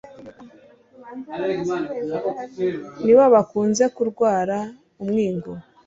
ni bo bakunze kurwara umwingo